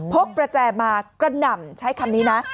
กระแจมากระหน่ำใช้คำนี้นะ